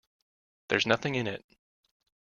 There's nothing in it.